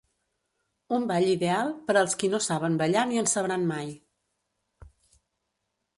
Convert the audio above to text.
Un ball ideal per als qui no saben ballar ni en sabran mai.